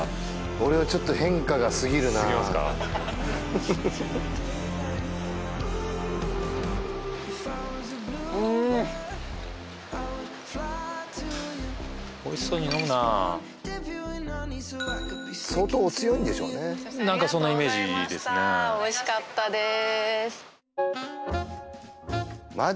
俺はちょっと変化が過ぎるなあうーんおいしそうに飲むなあ相当お強いんでしょうねありがとうございましたおいしかったです